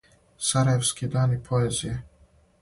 Сарајевски дани поезије.